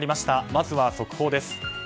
まずは速報です。